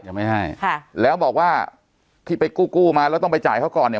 ยังไม่ให้ค่ะแล้วบอกว่าที่ไปกู้กู้มาแล้วต้องไปจ่ายเขาก่อนเนี่ย